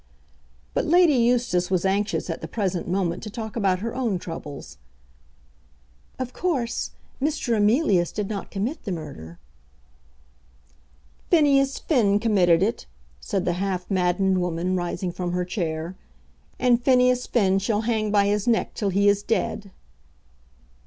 But Lady Eustace was anxious at the present moment to talk about her own troubles. "Of course, Mr. Emilius did not commit the murder." "Phineas Finn committed it," said the half maddened woman, rising from her chair. "And Phineas Finn shall hang by his neck till he is dead."